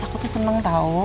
aku tuh senang tahu